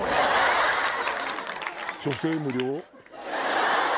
女性無料？